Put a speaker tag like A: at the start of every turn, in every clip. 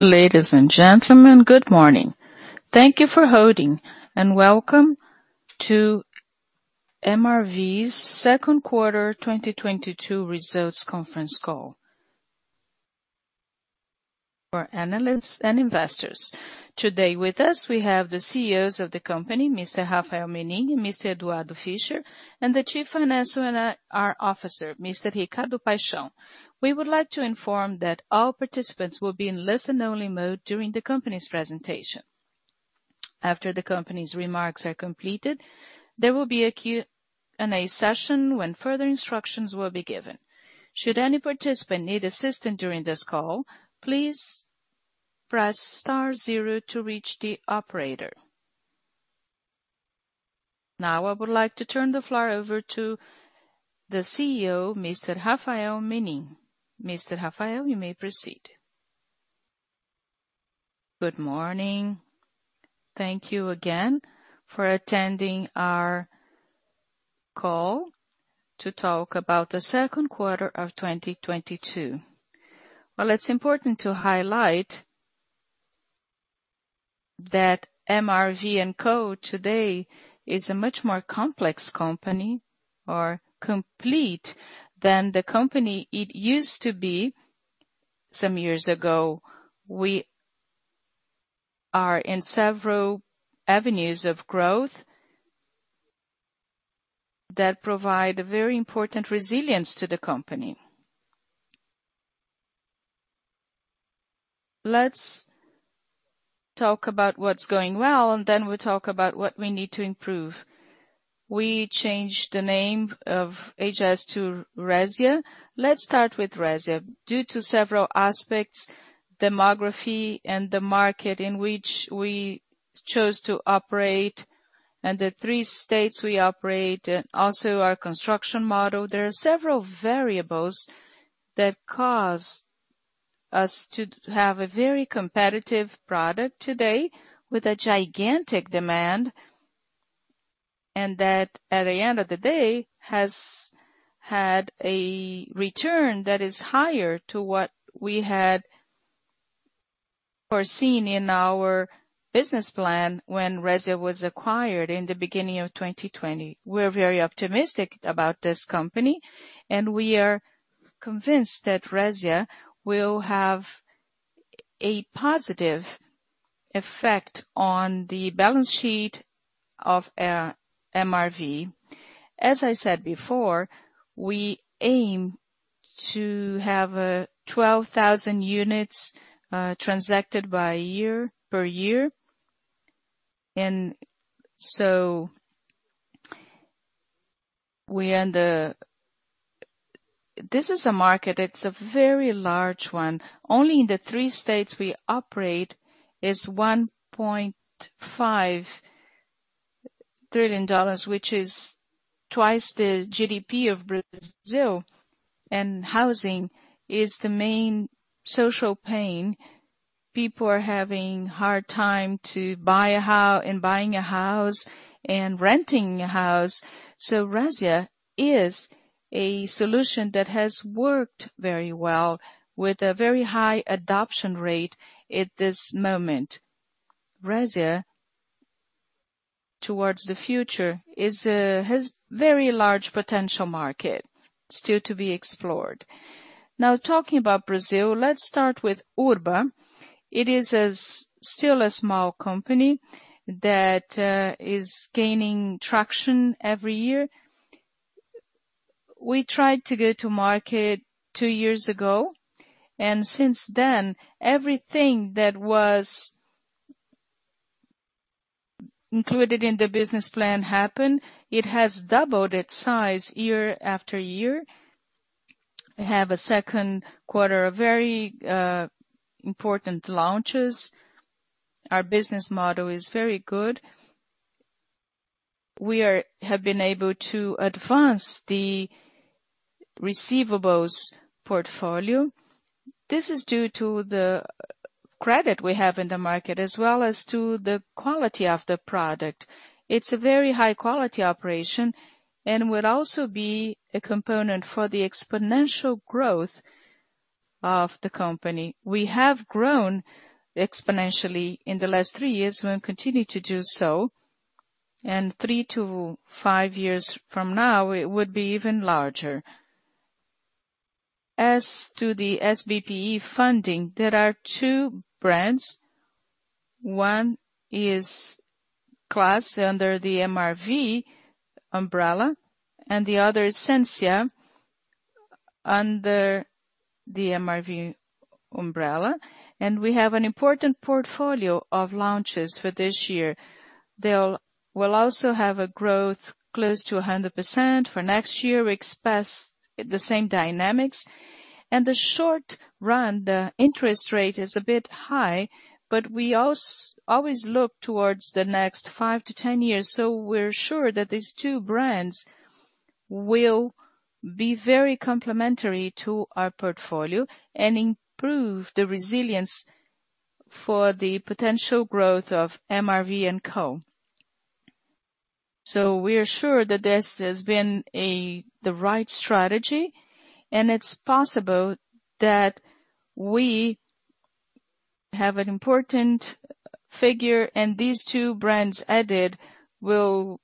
A: Ladies and gentlemen, good morning. Thank you for holding and welcome to MRV's Q2 2022 results conference call. For analysts and investors. Today with us, we have the CEOs of the company, Mr. Rafael Menin, Mr. Eduardo Fischer, and the Chief Financial Officer, Mr. Ricardo Paixão. We would like to inform that all participants will be in listen-only mode during the company's presentation. After the company's remarks are completed, there will be a Q&A session when further instructions will be given. Should any participant need assistance during this call, please press star zero to reach the operator. Now I would like to turn the floor over to the CEO, Mr. Rafael Menin. Mr. Rafael, you may proceed.
B: Good morning. Thank you again for attending our call to talk about the Q2 of 2022. Well, it's important to highlight that MRV&CO. Today is a much more complex and complete company than the company it used to be some years ago. We are in several avenues of growth that provide a very important resilience to the company. Let's talk about what's going well, and then we'll talk about what we need to improve. We changed the name of AHS to Resia. Let's start with Resia. Due to several aspects, demography and the market in which we chose to operate and the three states we operate and also our construction model, there are several variables that cause us to have a very competitive product today with a gigantic demand, and that, at the end of the day, has had a return that is higher than what we had foreseen in our business plan when Resia was acquired in the beginning of 2020. We're very optimistic about this company, and we are convinced that Resia will have a positive effect on the balance sheet of MRV. As I said before, we aim to have 12,000 units transacted per year. We're in. This is a market, it's a very large one. Only in the three states we operate is $1.5 trillion, which is twice the GDP of Brazil. Housing is the main social pain. People are having hard time buying a house and renting a house. Resia is a solution that has worked very well with a very high adoption rate at this moment. Resia, towards the future, has very large potential market still to be explored. Now talking about Brazil, let's start with Urba. It is still a small company that is gaining traction every year. We tried to go to market two years ago, and since then, everything that was included in the business plan happened. It has doubled its size year after year. We have a Q2 of very important launches. Our business model is very good. We have been able to advance the receivables portfolio. This is due to the credit we have in the market, as well as to the quality of the product. It's a very high quality operation and will also be a component for the exponential growth of the company. We have grown exponentially in the last three years. We'll continue to do so, and three to five years from now, it would be even larger. As to the SBPE funding, there are two brands. One is Class under the MRV umbrella, and the other is Sensia under the MRV umbrella. We have an important portfolio of launches for this year. We'll also have a growth close to 100% for next year. We expect the same dynamics. In the short run, the interest rate is a bit high, but we always look towards the next five to 10 years. We're sure that these two brands will be very complementary to our portfolio and improve the resilience for the potential growth of MRV&CO. We are sure that this has been the right strategy, and it's possible that we have an important figure and these two brands added will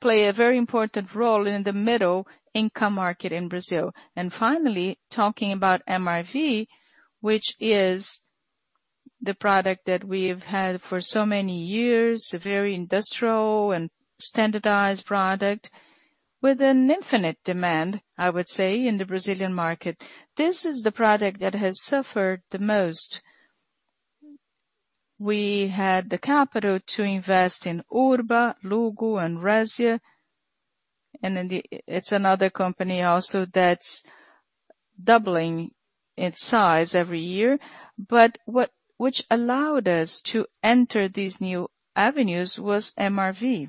B: play a very important role in the middle-income market in Brazil. Finally, talking about MRV, which is the product that we've had for so many years, a very industrial and standardized product with an infinite demand, I would say, in the Brazilian market. This is the product that has suffered the most. We had the capital to invest in Urba, Luggo, and Resia, and it's another company also that's doubling its size every year. Which allowed us to enter these new avenues was MRV.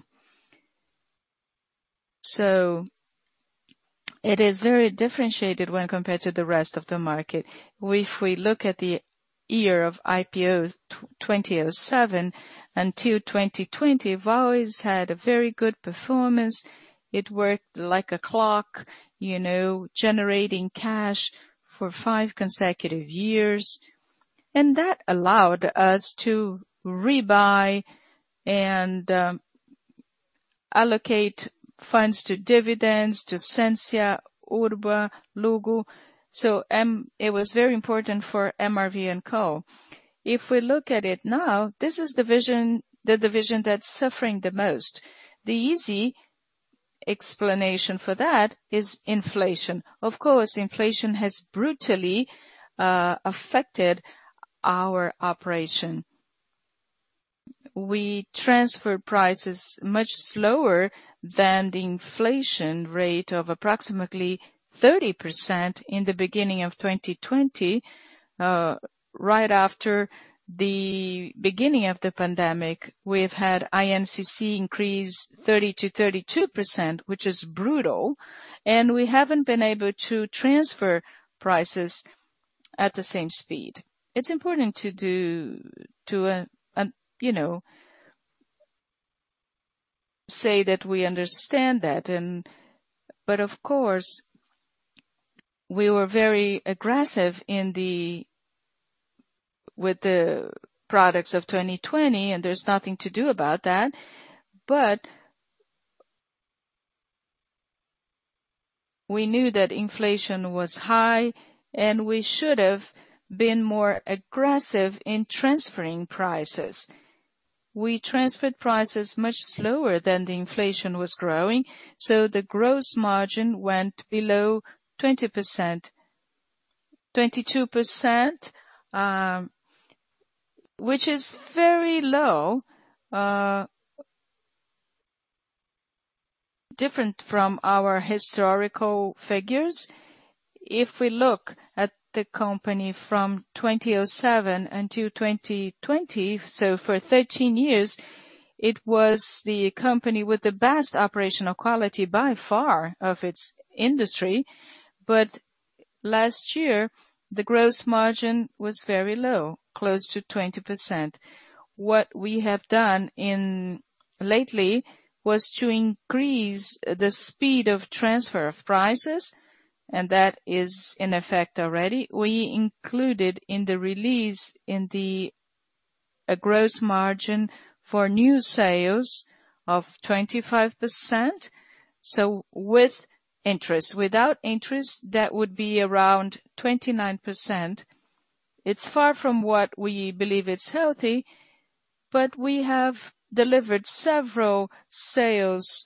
B: It is very differentiated when compared to the rest of the market. If we look at the year of IPO, 2007 until 2020, we've always had a very good performance. It worked like a clock, you know, generating cash for five consecutive years. That allowed us to rebuy and allocate funds to dividends to Sensia, Urba, Luggo. It was very important for MRV&CO. If we look at it now, this is the division that's suffering the most. The easy explanation for that is inflation. Of course, inflation has brutally affected our operation. We transfer prices much slower than the inflation rate of approximately 30% in the beginning of 2020. Right after the beginning of the pandemic, we've had INCC increase 30%-32%, which is brutal, and we haven't been able to transfer prices at the same speed. It's important, you know, to say that we understand that, but of course, we were very aggressive with the products of 2020, and there's nothing to do about that. We knew that inflation was high, and we should have been more aggressive in transferring prices. We transferred prices much slower than the inflation was growing, so the gross margin went below 20%. 22%, which is very low, different from our historical figures. If we look at the company from 2007 until 2020, so for 13 years, it was the company with the best operational quality by far of its industry. Last year, the gross margin was very low, close to 20%. What we have done lately was to increase the speed of transfer of prices, and that is in effect already. We included in the release a gross margin for new sales of 25%, so with interest. Without interest, that would be around 29%. It's far from what we believe it's healthy, but we have delivered several sales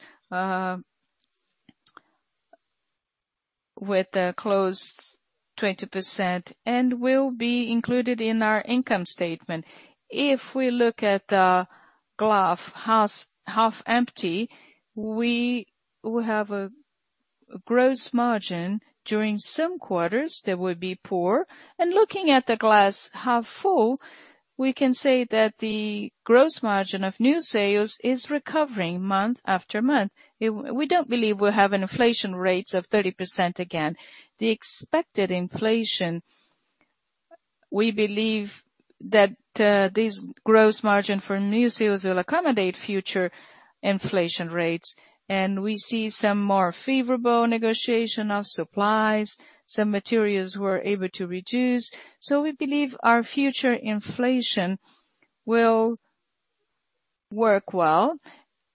B: with a closed 20% and will be included in our income statement. If we look at the glass half empty, we will have a gross margin during some quarters that would be poor. Looking at the glass half full, we can say that the gross margin of new sales is recovering month after month. We don't believe we'll have an inflation rates of 30% again. The expected inflation, we believe that this gross margin for new sales will accommodate future inflation rates, and we see some more favorable negotiation of supplies, some materials we're able to reduce. We believe our future inflation will work well.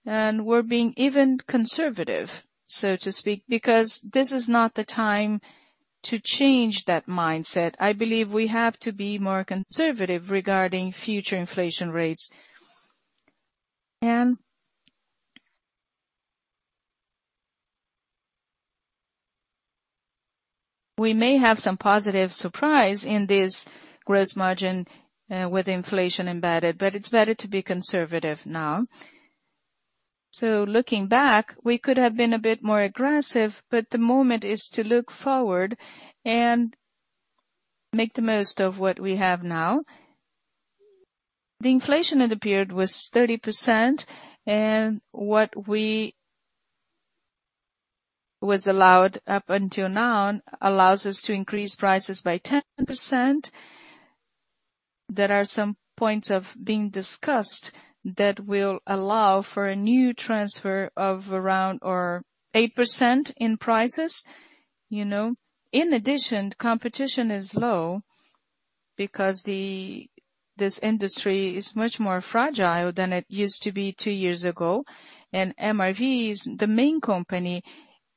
B: We're being even conservative, so to speak, because this is not the time to change that mindset. I believe we have to be more conservative regarding future inflation rates. We may have some positive surprise in this gross margin with inflation embedded, but it's better to be conservative now. Looking back, we could have been a bit more aggressive, but the moment is to look forward and make the most of what we have now. The inflation in the period was 30% and what was allowed up until now allows us to increase prices by 10%. There are some points being discussed that will allow for a new transfer of around 8% in prices, you know. In addition, competition is low because this industry is much more fragile than it used to be two years ago. MRV is the main company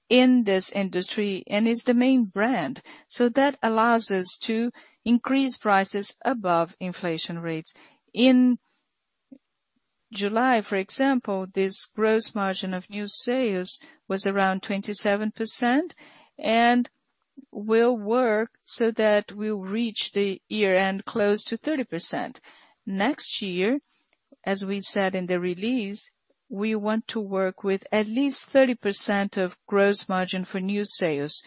B: in this industry, and is the main brand. That allows us to increase prices above inflation rates. In July, for example, this gross margin of new sales was around 27% and will work so that we'll reach the year-end close to 30%. Next year, as we said in the release, we want to work with at least 30% of gross margin for new sales,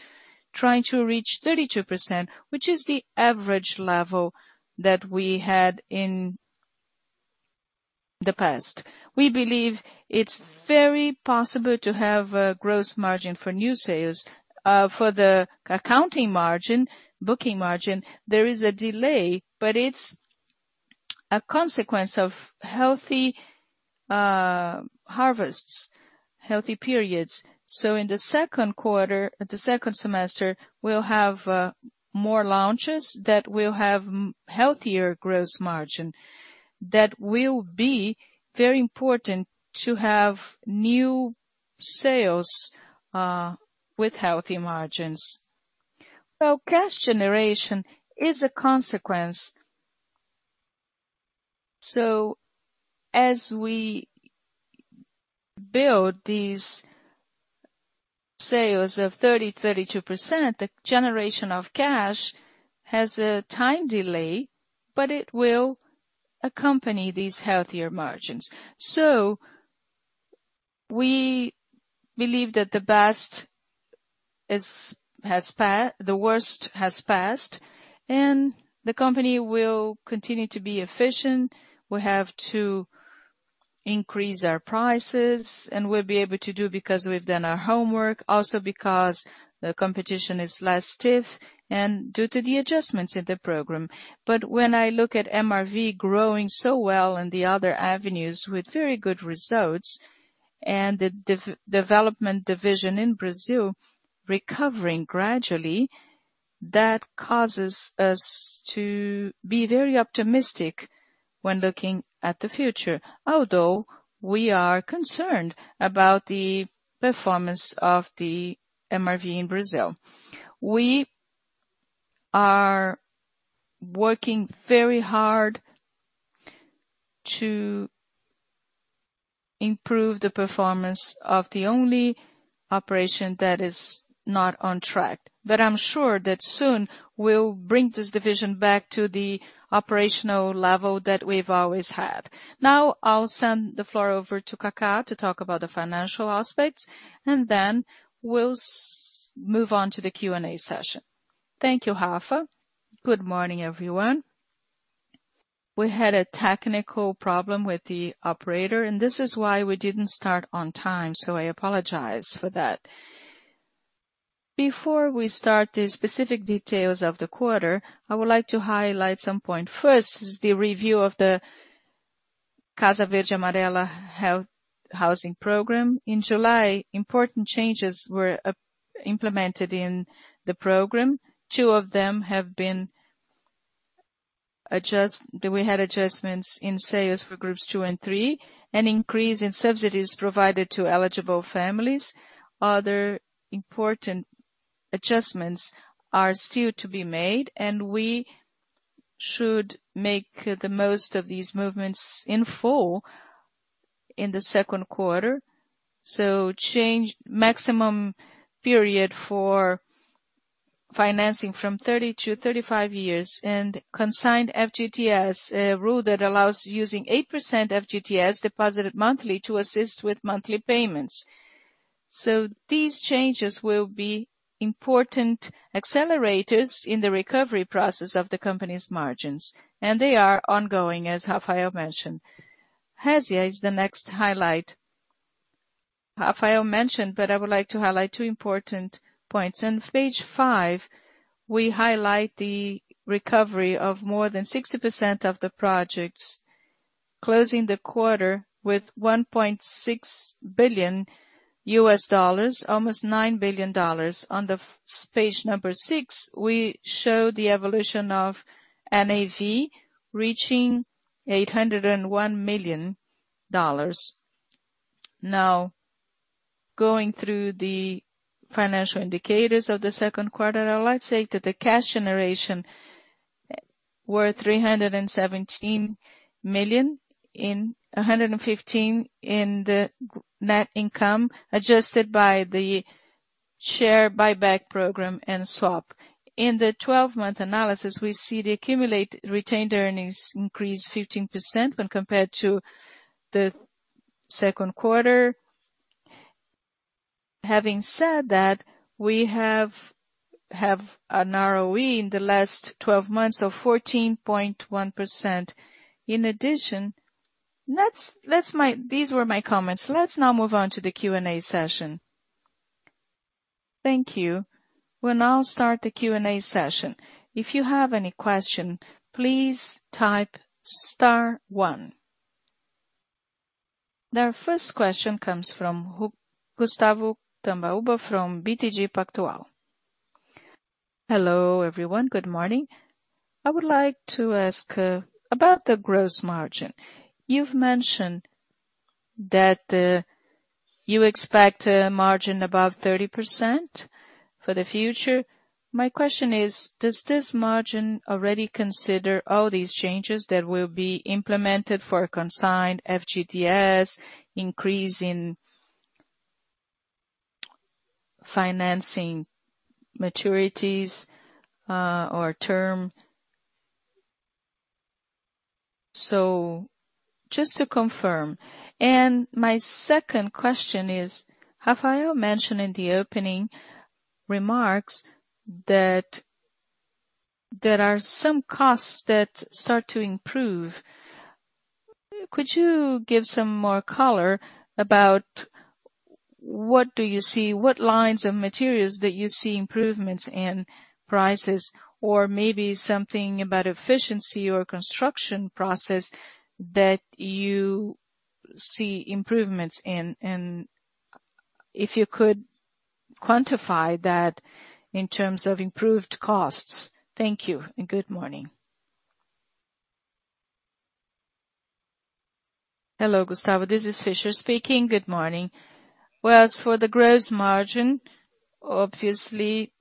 B: trying to reach 32%, which is the average level that we had in the past. We believe it's very possible to have a gross margin for new sales. For the accounting margin, booking margin, there is a delay, but it's a consequence of healthy harvests, healthy periods. In the second semester, we'll have more launches that will have healthier gross margin. That will be very important to have new sales with healthy margins. Well, cash generation is a consequence. As we build these sales of 30%-32%, the generation of cash has a time delay, but it will accompany these healthier margins. We believe that the worst has passed and the company will continue to be efficient. We have to increase our prices and we'll be able to do because we've done our homework, also because the competition is less stiff and due to the adjustments in the program. When I look at MRV growing so well in the other avenues with very good results and the development division in Brazil recovering gradually, that causes us to be very optimistic when looking at the future. Although we are concerned about the performance of the MRV in Brazil. We are working very hard to improve the performance of the only operation that is not on track. I'm sure that soon we'll bring this division back to the operational level that we've always had. Now, I'll send the floor over to Cacá to talk about the financial aspects, and then we'll move on to the Q&A session.
C: Thank you, Rafa. Good morning, everyone. We had a technical problem with the operator and this is why we didn't start on time, so I apologize for that. Before we start the specific details of the quarter, I would like to highlight some points. First is the review of the Casa Verde e Amarela housing program. In July, important changes were implemented in the program. Two of them. We had adjustments in sales for groups two and three, an increase in subsidies provided to eligible families. Other important adjustments are still to be made, and we should make the most of these movements in full in the Q2. Change maximum period for financing from 30 to 35 years and consigned FGTS, a rule that allows using 8% FGTS deposited monthly to assist with monthly payments. These changes will be important accelerators in the recovery process of the company's margins, and they are ongoing, as Rafael mentioned. Resia is the next highlight Rafael mentioned, but I would like to highlight two important points. On page five, we highlight the recovery of more than 60% of the projects closing the quarter with $1.6 billion, almost $9 billion. On page number six, we show the evolution of NAV reaching $801 million. Now, going through the financial indicators of the Q2, I would like to say that the cash generation were 317 million and 115 in the net income, adjusted by the share buyback program and swap. In the 12-month analysis, we see the accumulated retained earnings increase 15% when compared to the Q2. Having said that, we have an ROE in the last twelve months of 14.1%. These were my comments. Let's now move on to the Q&A session. Thank you. We'll now start the Q&A session. If you have any question, please type star one. Our first question comes from Gustavo Cambauva from BTG Pactual.
D: Hello, everyone. Good morning. I would like to ask about the gross margin. You've mentioned that you expect a margin above 30% for the future. My question is, does this margin already consider all these changes that will be implemented for Consign, FGTS, increase in financing maturities, or term? So just to confirm. My second question is, Rafael mentioned in the opening remarks that there are some costs that start to improve. Could you give some more color about what do you see, what lines of materials that you see improvements in prices or maybe something about efficiency or construction process that you see improvements in, and if you could quantify that in terms of improved costs. Thank you and good morning.
E: Hello, Gustavo, this is Fischer speaking. Good morning. Well, as for the gross margin, obviously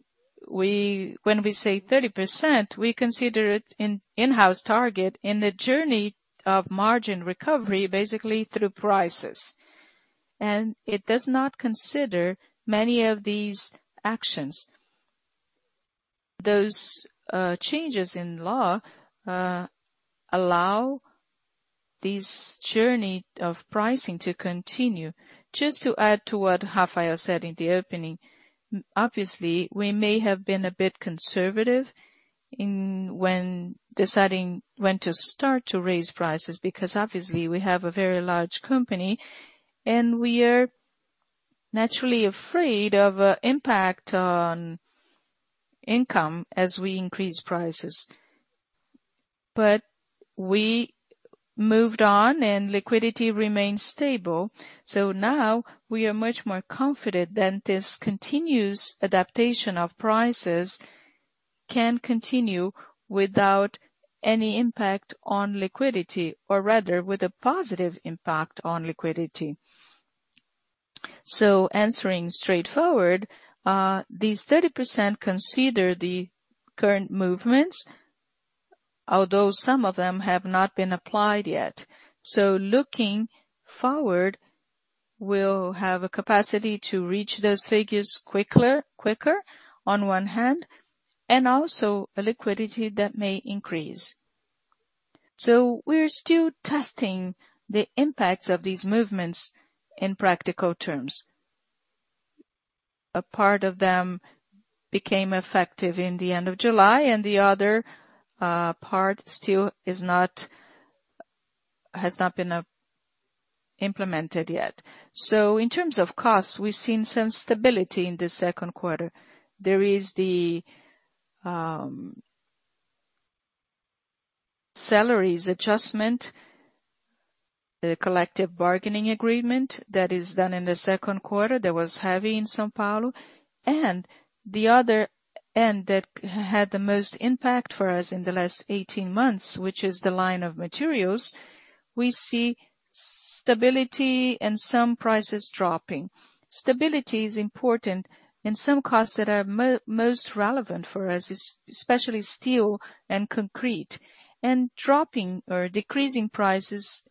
E: we, when we say 30%, we consider it an in-house target in the journey of margin recovery, basically through prices. It does not consider many of these actions. Those changes in law allow this journey of pricing to continue. Just to add to what Rafael said in the opening, obviously we may have been a bit conservative in deciding when to start to raise prices, because obviously we have a very large company and we are naturally afraid of impact on income as we increase prices. We moved on and liquidity remains stable. Now we are much more confident that this continuous adaptation of prices can continue without any impact on liquidity, or rather with a positive impact on liquidity. Answering straightforward, these 30% consider the current movements, although some of them have not been applied yet. Looking forward, we'll have a capacity to reach those figures quicker, on one hand, and also a liquidity that may increase. We're still testing the impacts of these movements in practical terms. A part of them became effective in the end of July, and the other part has not been implemented yet. In terms of costs, we've seen some stability in the Q2. There is the salaries adjustment, the collective bargaining agreement that is done in the Q2 that was heavy in São Paulo. The other end that had the most impact for us in the last 18 months, which is the line of materials, we see stability and some prices dropping. Stability is important in some costs that are most relevant for us, especially steel and concrete, and dropping or decreasing prices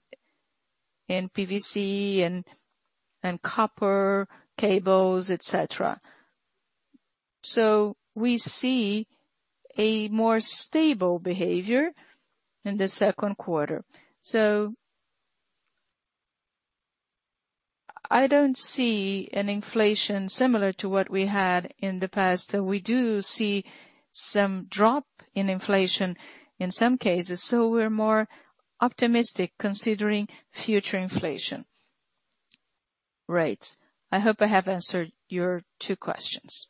E: in PVC and copper cables, et cetera. We see a more stable behavior in the Q2. I don't see an inflation similar to what we had in the past. We do see some drop in inflation in some cases, so we're more optimistic considering future inflation rates. I hope I have answered your two questions.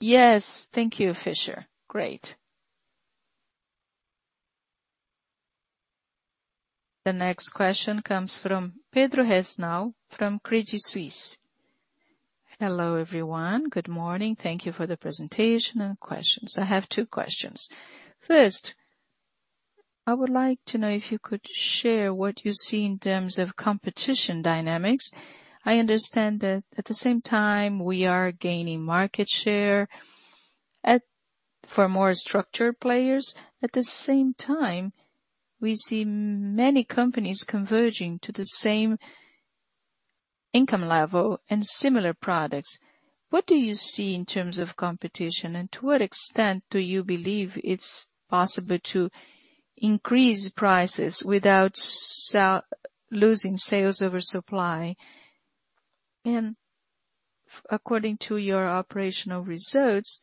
D: Yes. Thank you, Fischer. Great.
A: The next question comes from Pedro Fajardo from Credit Suisse.
F: Hello, everyone. Good morning. Thank you for the presentation and questions. I have two questions. First, I would like to know if you could share what you see in terms of competition dynamics. I understand that at the same time we are gaining market share for more structured players. At the same time, we see many companies converging to the same income level and similar products. What do you see in terms of competition, and to what extent do you believe it's possible to increase prices without losing sales oversupply? According to your operational results,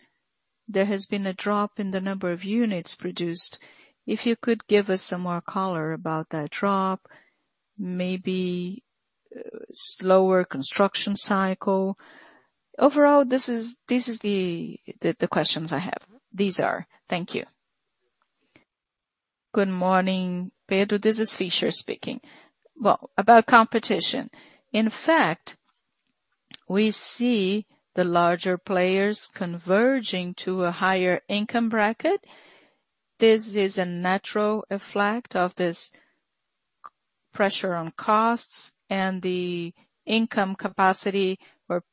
F: there has been a drop in the number of units produced. If you could give us some more color about that drop, maybe slower construction cycle. Overall, these are the questions I have. Thank you.
E: Good morning, Pedro. This is Eduardo Fischer speaking. Well, about competition. In fact, we see the larger players converging to a higher income bracket. This is a natural effect of this pressure on costs and the income capacity or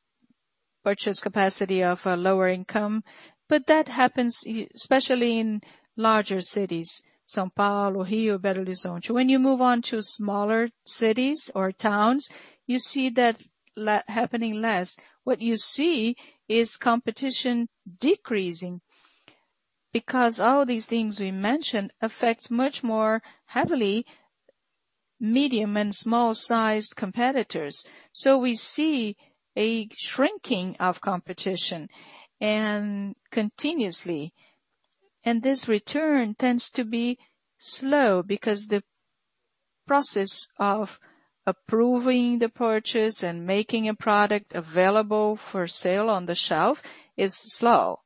E: purchase capacity of a lower income. But that happens especially in larger cities, São Paulo, Rio, Belo Horizonte. When you move on to smaller cities or towns, you see that happening less. What you see is competition decreasing because all these things we mentioned affects much more heavily medium and small-sized competitors. So we see a shrinking of competition and continuously. This return tends to be slow because the process of approving the purchase and making a product available for sale on the shelf is slow.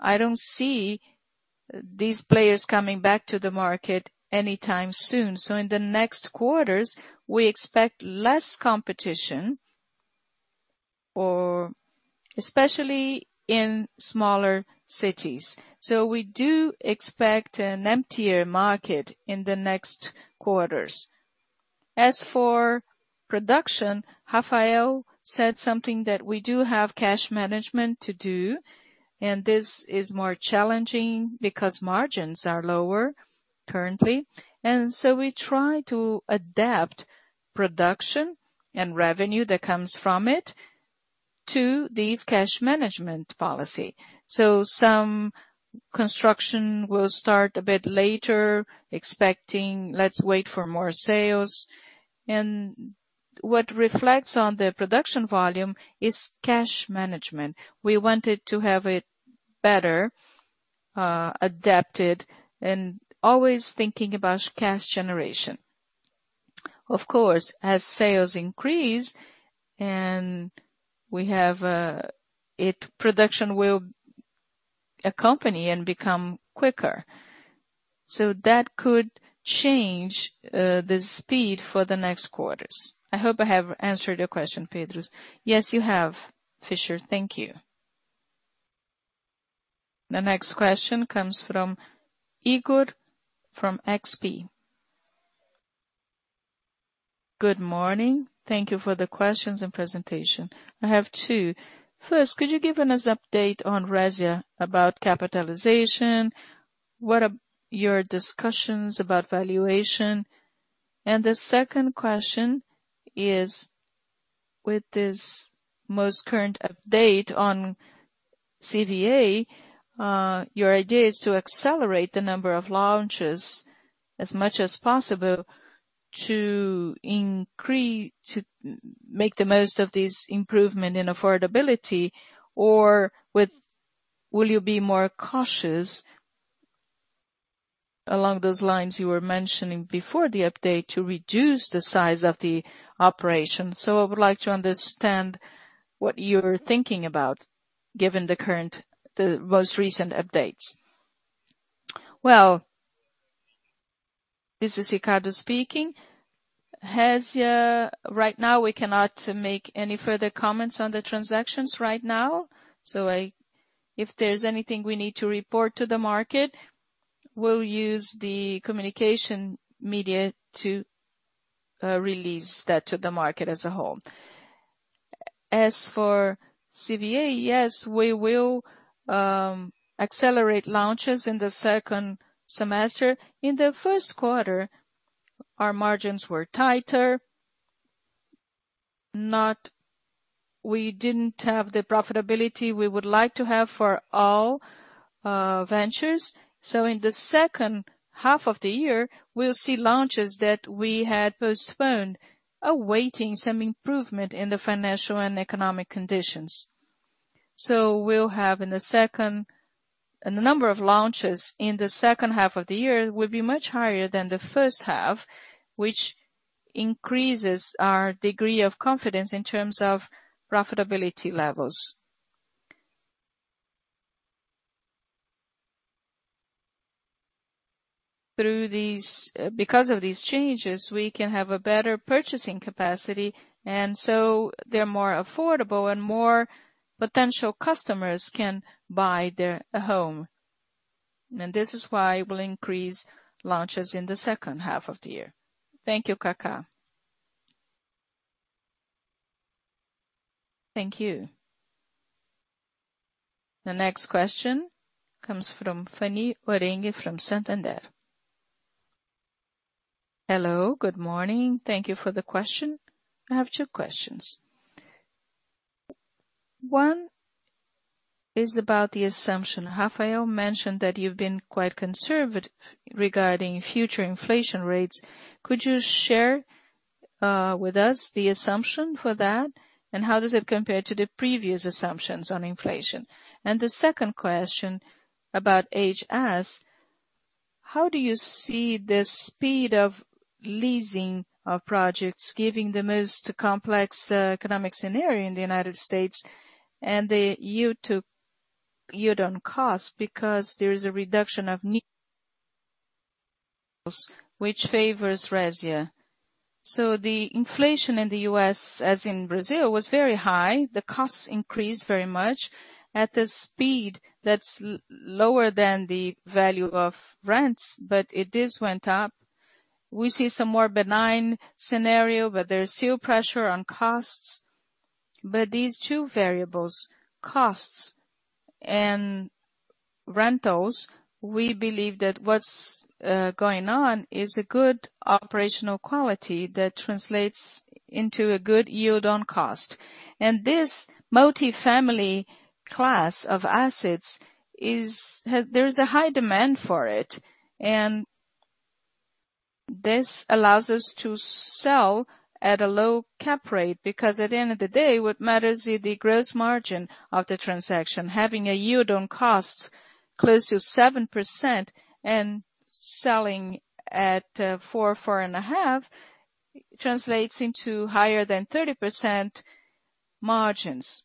E: I don't see these players coming back to the market anytime soon. In the next quarters, we expect less competition or especially in smaller cities. We do expect an emptier market in the next quarters. As for production, Rafael said something that we do have cash management to do, and this is more challenging because margins are lower currently. We try to adapt production and revenue that comes from it to this cash management policy. Some construction will start a bit later, expecting let's wait for more sales. What reflects on the production volume is cash management. We wanted to have it better, adapted and always thinking about cash generation. Of course, as sales increase and we have if production will accompany and become quicker. That could change the speed for the next quarters. I hope I have answered your question, Pedro.
F: Yes, you have, Fischer. Thank you.
A: The next question comes from Igor from XP Investimentos.
G: Good morning. Thank you for the questions and presentation. I have two. First, could you give us update on Resia about capitalization? What are your discussions about valuation? And the second question is, with this most current update on CVA, your idea is to accelerate the number of launches as much as possible to make the most of this improvement in affordability, or will you be more cautious along those lines you were mentioning before the update to reduce the size of the operation? I would like to understand what you're thinking about given the most recent updates.
C: Well, this is Ricardo speaking. Resia, right now, we cannot make any further comments on the transactions right now. If there's anything we need to report to the market, we'll use the communication media to release that to the market as a whole. As for CVA, yes, we will accelerate launches in the second semester. In the Q1, our margins were tighter, we didn't have the profitability we would like to have for all ventures. In the second half of the year, we'll see launches that we had postponed, awaiting some improvement in the financial and economic conditions. The number of launches in the second half of the year will be much higher than the first half, which increases our degree of confidence in terms of profitability levels. Because of these changes, we can have a better purchasing capacity, and so they're more affordable and more potential customers can buy their home. This is why we'll increase launches in the second half of the year. Thank you, Kaká.
A: Thank you. The next question comes from Fanny Oreng from Santander.
H: Hello, good morning. Thank you for the question. I have two questions. One is about the assumption. Rafael mentioned that you've been quite conservative regarding future inflation rates. Could you share with us the assumption for that, and how does it compare to the previous assumptions on inflation? The second question about HS: how do you see the speed of leasing of projects given the most complex economic scenario in the United States and the yield on cost? Because there is a reduction of which favors Resia. The inflation in the U.S., as in Brazil, was very high. The costs increased very much at a speed that's lower than the value of rents, but it does went up. We see some more benign scenario, but there's still pressure on costs. These two variables, costs and rentals, we believe that what's going on is a good operational quality that translates into a good yield on cost. This multifamily class of assets is. There's a high demand for it. This allows us to sell at a low cap rate, because at the end of the day, what matters is the gross margin of the transaction. Having a yield on cost close to 7% and selling at 4-4.5 translates into higher than 30% margins.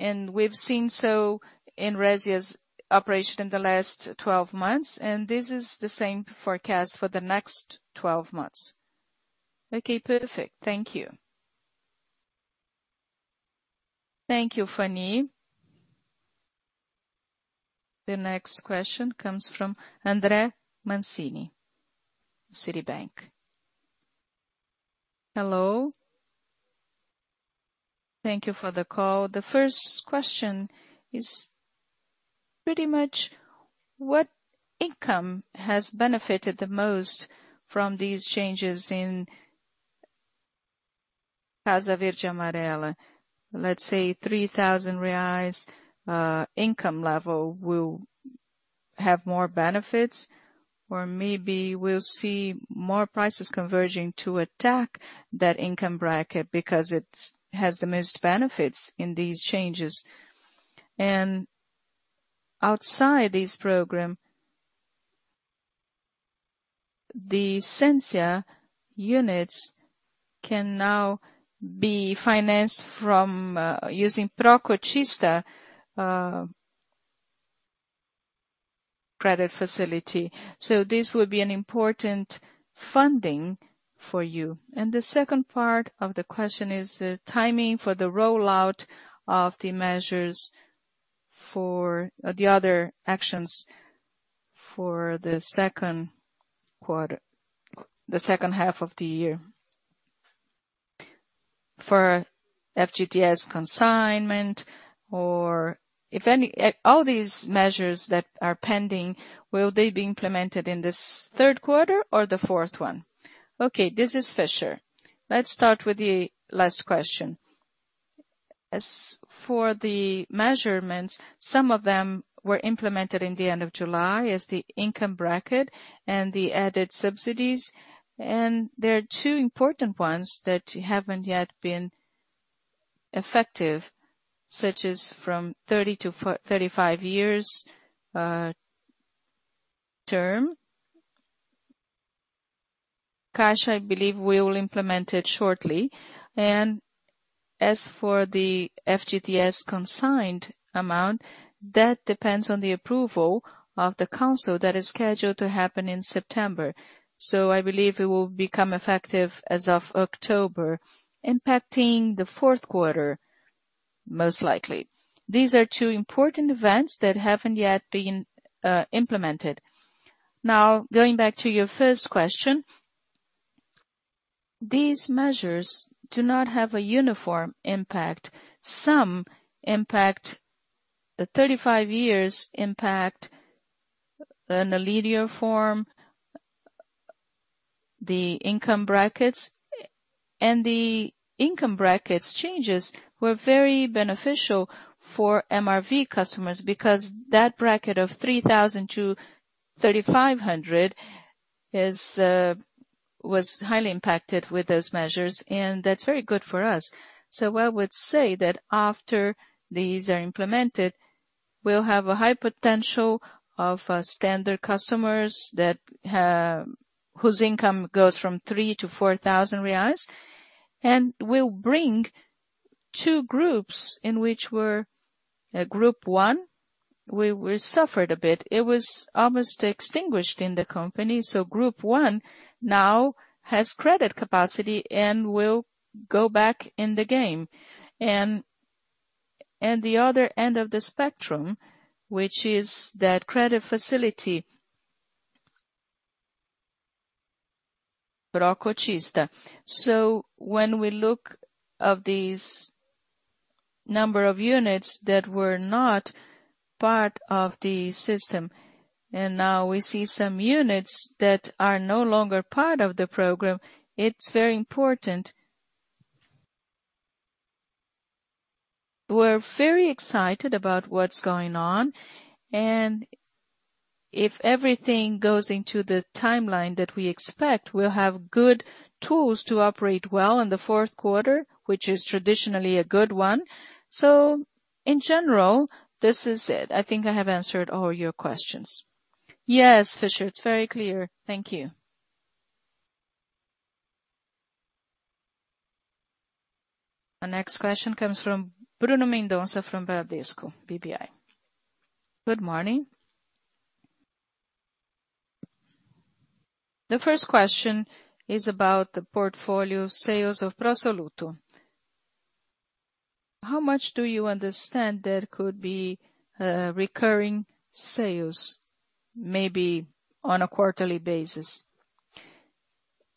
H: We've seen so in Resia's operation in the last 12 months, and this is the same forecast for the next 12 months. Okay, perfect. Thank you.
A: Thank you, Fanny. The next question comes from André Mazzini, Citibank.
I: Hello. Thank you for the call. The first question is pretty much what income has benefited the most from these changes in Casa Verde e Amarela? Let's say 3,000 reais income level will have more benefits, or maybe we'll see more prices converging to attack that income bracket because it has the most benefits in these changes. Outside this program, the Sensia units can now be financed using Pró-Cotista credit facility. This would be an important funding for you. The second part of the question is the timing for the rollout of the measures for the other actions for the Q2, the second half of the year. For FGTS consignment or if any. All these measures that are pending, will they be implemented in this Q3 or the fourth one? Okay, this is Fischer. Let's start with the last question. As for the measures, some of them were implemented in the end of July as the income bracket and the added subsidies. There are two important ones that haven't yet been effective, such as from 30 to 35 years term. I believe we will implement it shortly. As for the FGTS consigned amount, that depends on the approval of the council that is scheduled to happen in September. I believe it will become effective as of October, impacting the Q4, most likely. These are two important events that haven't yet been implemented. Now, going back to your first question, these measures do not have a uniform impact. The 35 years impact in a linear form the income brackets. The income brackets changes were very beneficial for MRV customers because that bracket of 3,000 to 3,500 was highly impacted with those measures, and that's very good for us. I would say that after these are implemented, we'll have a high potential of standard customers that whose income goes from 3,000 to 4,000 reais. We'll bring two groups in which we're group one. We suffered a bit. It was almost extinguished in the company. Group one now has credit capacity and will go back in the game. The other end of the spectrum, which is that credit facility Pró-Cotista. When we look at the number of units that were not part of the system, and now we see some units that are no longer part of the program, it's very important. We're very excited about what's going on, and if everything goes into the timeline that we expect, we'll have good tools to operate well in the Q4, which is traditionally a good one. In general, this is it. I think I have answered all your questions. Yes, Fischer, it's very clear. Thank you.
A: Our next question comes from Bruno Mendonça from Bradesco BBI.
J: Good morning. The first question is about the portfolio sales of Pro Soluto. How much do you understand there could be, recurring sales, maybe on a quarterly basis?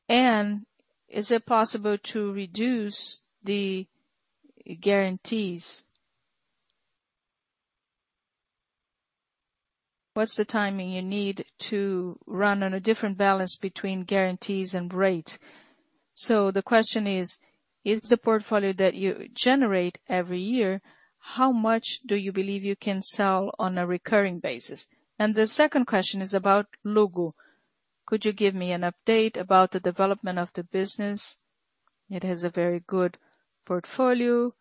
J: And is it possible to reduce the guarantees? What's the timing you need to run on a different balance between guarantees and rate? The question is: Is the portfolio that you generate every year, how much do you believe you can sell on a recurring basis? And the second question is about Luggo. Could you give me an update about the development of the business? It has a very good portfolio.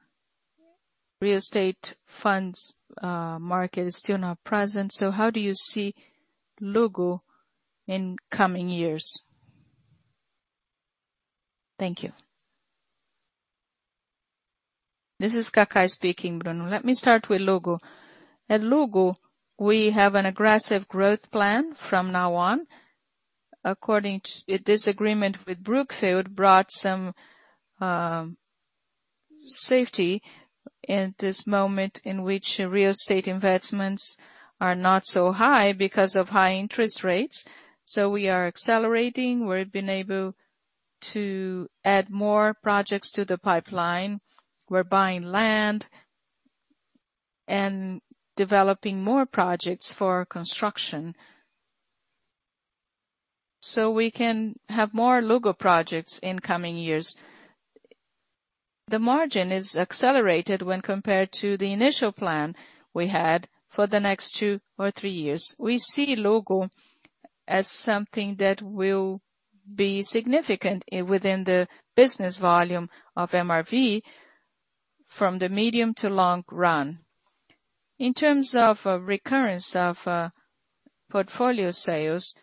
J: Real estate funds, market is still not present. How do you see Luggo in coming years? Thank you.
C: This is Cacá speaking, Bruno. Let me start with Luggo. At Luggo, we have an aggressive growth plan from now on. This agreement with Brookfield brought some safety in this moment in which real estate investments are not so high because of high interest rates. We are accelerating. We've been able to add more projects to the pipeline. We're buying land and developing more projects for construction, so we can have more Luggo projects in coming years. The margin is accelerated when compared to the initial plan we had for the next two or three years. We see Luggo as something that will be significant within the business volume of MRV from the medium to long run. In terms of recurrence of portfolio sales,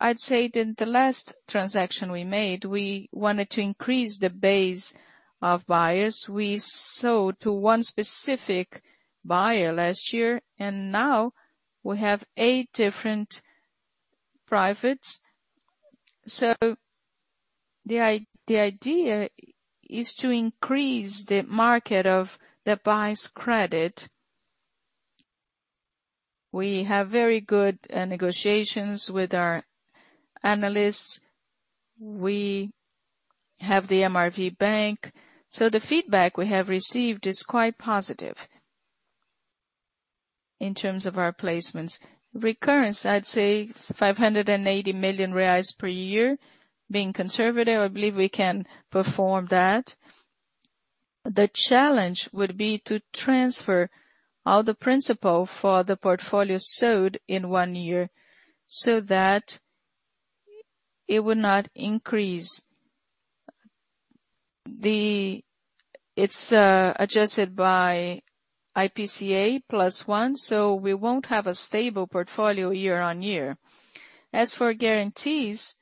C: I'd say that the last transaction we made, we wanted to increase the base of buyers. We sold to one specific buyer last year, and now we have eight different privates. The idea is to increase the market of the buyer's credit. We have very good negotiations with our analysts. We have the MRV Banks. The feedback we have received is quite positive in terms of our placements. Recurrence, I'd say 580 million reais per year. Being conservative, I believe we can perform that. The challenge would be to transfer all the principal for the portfolio sold in one year so that it would not increase. It's adjusted by IPCA +1%, so we won't have a stable portfolio year-on-year. As for guarantees,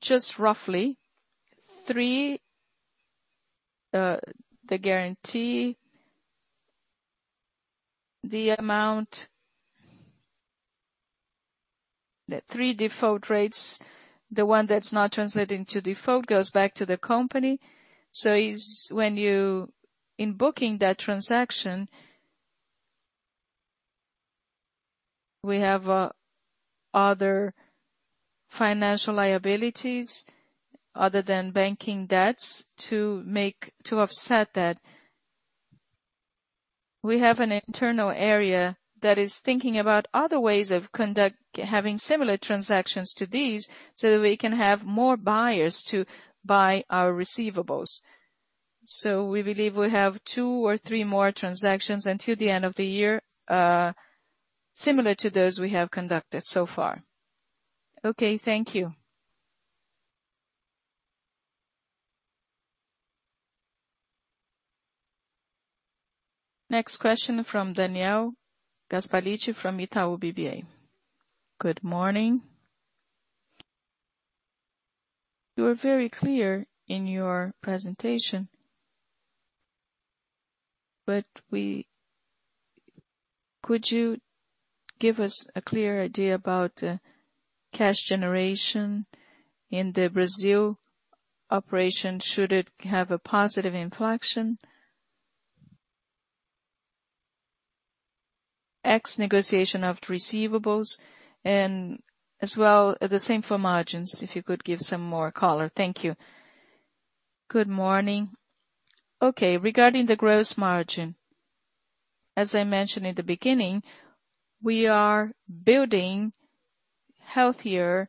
C: just roughly 3%, the guarantee, the amount. The 3% default rates, the one that's not translating to default goes back to the company. In booking that transaction, we have other financial liabilities other than banking debts to offset that. We have an internal area that is thinking about other ways of having similar transactions to these, so that we can have more buyers to buy our receivables. So we believe we have two or three more transactions until the end of the year, similar to those we have conducted so far.
J: Okay, thank you.
A: Next question from Daniel Gasparete from Itaú BBA.
K: Good morning. You were very clear in your presentation. Could you give us a clear idea about cash generation in the Brazil operation? Should it have a positive inflection? The negotiation of the receivables and as well, the same for margins, if you could give some more color. Thank you.
C: Good morning. Okay, regarding the gross margin. As I mentioned in the beginning, we are building healthier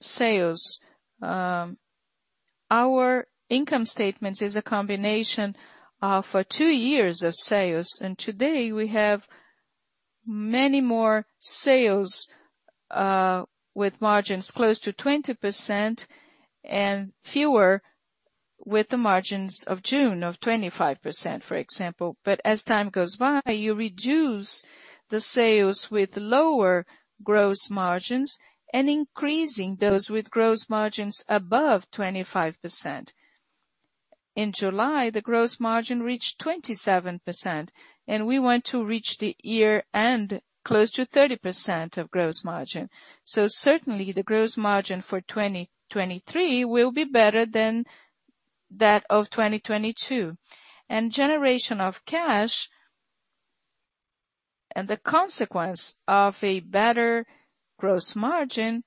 C: sales. Our income statements is a combination for two years of sales. Today we have many more sales with margins close to 20% and fewer with the margins of June of 25%, for example. As time goes by, you reduce the sales with lower gross margins and increasing those with gross margins above 25%. In July, the gross margin reached 27%, and we want to reach the year-end close to 30% of gross margin. Certainly the gross margin for 2023 will be better than that of 2022. Generation of cash and the consequence of a better gross margin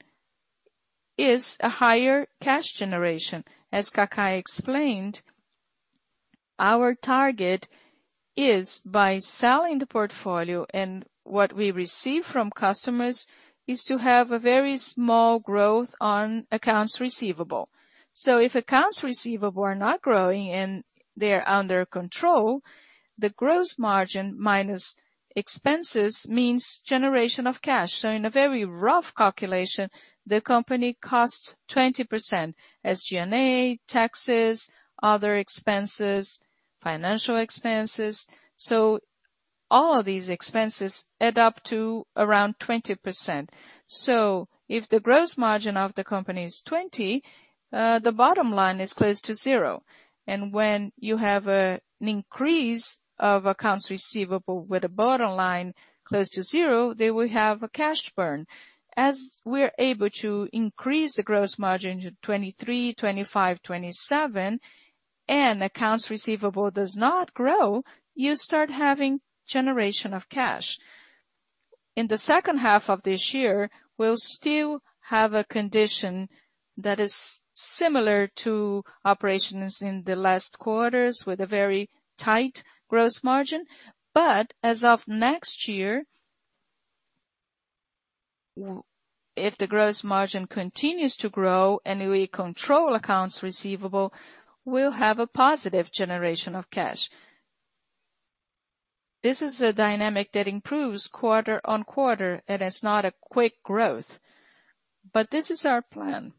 C: is a higher cash generation. As Cacá explained, our target is by selling the portfolio and what we receive from customers is to have a very small growth on accounts receivable. If accounts receivable are not growing and they're under control, the gross margin minus expenses means generation of cash. In a very rough calculation, the company costs 20% as G&A, taxes, other expenses, financial expenses. All of these expenses add up to around 20%. If the gross margin of the company is 20%, the bottom line is close to zero. When you have an increase of accounts receivable with a bottom line close to zero, they will have a cash burn. As we're able to increase the gross margin to 23%, 25%, 27% and accounts receivable does not grow, you start having generation of cash. In the second half of this year, we'll still have a condition that is similar to operations in the last quarters with a very tight gross margin. As of next year, if the gross margin continues to grow and we control accounts receivable, we'll have a positive generation of cash. This is a dynamic that improves quarter-on-quarter, and it's not a quick growth. This is our plan.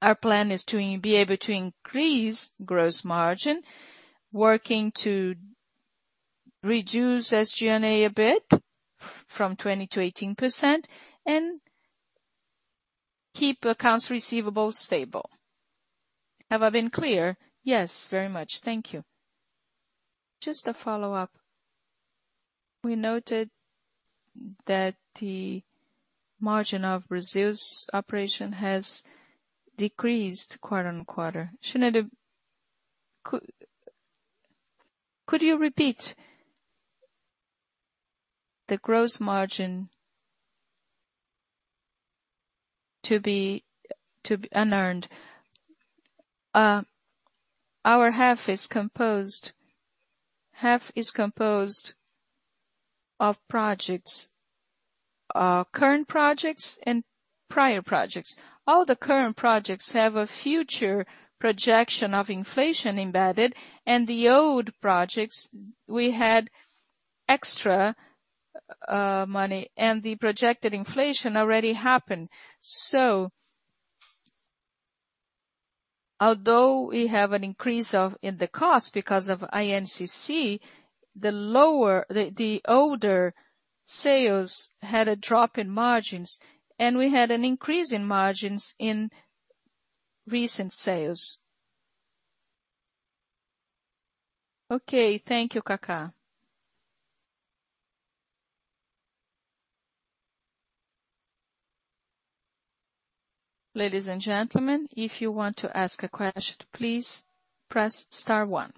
C: Our plan is to be able to increase gross margin, working to reduce SG&A a bit from 20% to 18% and keep accounts receivable stable. Have I been clear?
K: Yes, very much.
C: Thank you. Just a follow-up. We noted that the margin of Brazil's operation has decreased quarter-on-quarter. Uncertain, could you repeat? The gross margin to be and earned. Our half is composed of projects, current projects and prior projects. All the current projects have a future projection of inflation embedded. The old projects, we had extra money and the projected inflation already happened. Although we have an increase in the cost because of INCC, the older sales had a drop in margins and we had an increase in margins in recent sales.
K: Okay. Thank you, Cacá.
A: Ladies and gentlemen, if you want to ask a question, please press star one.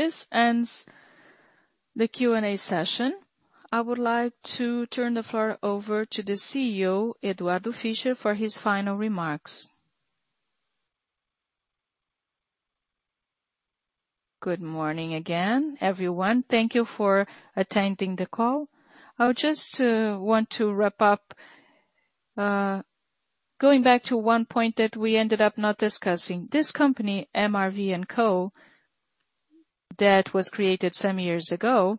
A: This ends the Q&A session. I would like to turn the floor over to the CEO, Eduardo Fischer, for his final remarks.
E: Good morning again, everyone. Thank you for attending the call. I would just want to wrap up, going back to one point that we ended up not discussing. This company, MRV&CO, that was created some years ago.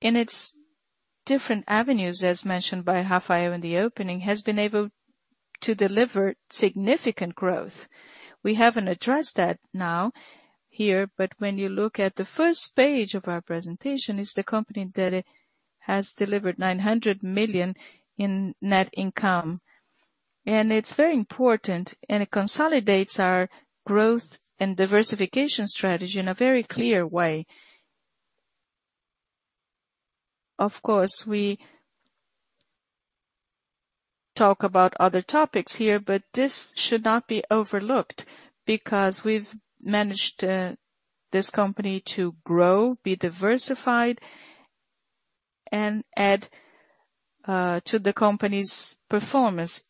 E: In its different avenues, as mentioned by Rafael in the opening, has been able to deliver significant growth. We haven't addressed that now here, but when you look at the first page of our presentation, it's the company that has delivered 900 million in net income. It's very important, and it consolidates our growth and diversification strategy in a very clear way. Of course, we talk about other topics here, but this should not be overlooked because we've managed this company to grow, be diversified, and add to the company's performance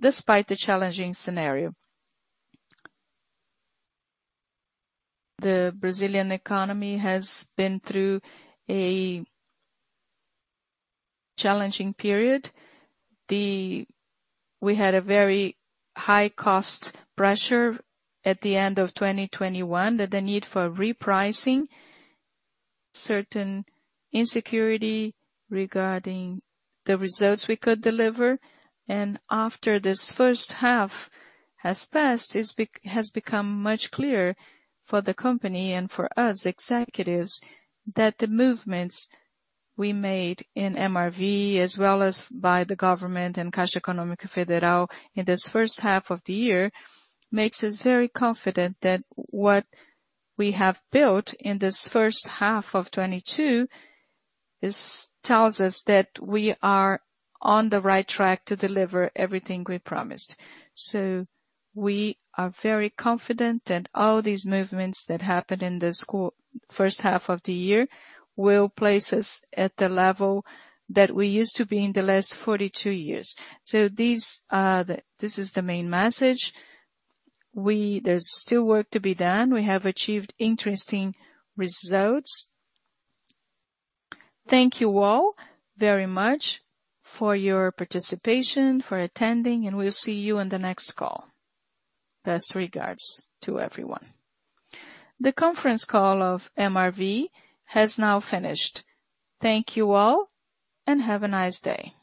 E: despite the challenging scenario. The Brazilian economy has been through a challenging period. We had a very high cost pressure at the end of 2021. The need for repricing, certain insecurity regarding the results we could deliver. After this first half has passed, it has become much clearer for the company and for us executives that the movements we made in MRV as well as by the government and Caixa Econômica Federal in this first half of the year makes us very confident that what we have built in this first half of 2022 tells us that we are on the right track to deliver everything we promised. We are very confident that all these movements that happened in this H1 of the year will place us at the level that we used to be in the last 42 years. This is the main message. There's still work to be done. We have achieved interesting results. Thank you all very much for your participation, for attending, and we'll see you in the next call.
A: Best regards to everyone. The conference call of MRV has now finished. Thank you all, and have a nice day.